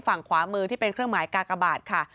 ฝั่งขวามือที่เป็นเครื่องหมายกากบาทค่ะ